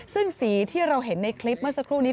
ซึ่งสีที่เราเห็นในคลิปเมื่อสักครู่นี้